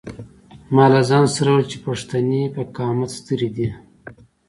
ما له ځان سره وویل چې پښتنې په قامت سترې دي.